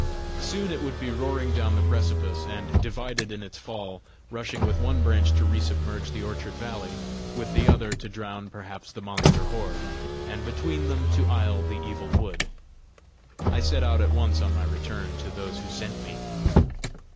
Soon it would be roaring down the precipice, and, divided in its fall, rushing with one branch to resubmerge the orchard valley, with the other to drown perhaps the monster horde, and between them to isle the Evil Wood. I set out at once on my return to those who sent me.